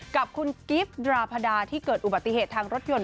กับคุณกิฟต์ดราพดาที่เกิดอุบัติเหตุทางรถยนต์